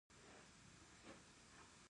افغانستان د بادي انرژي لپاره مشهور دی.